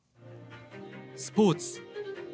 スポーツ。